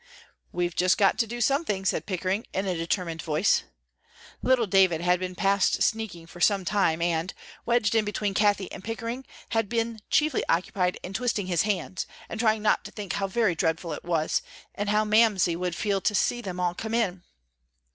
"We've just got to do something," said Pickering, in a determined voice. Little David had been past speaking for some time, and, wedged in between Cathie and Pickering, had been chiefly occupied in twisting his hands, and trying not to think how very dreadful it all was, and how Mamsie would feel to see them all come in.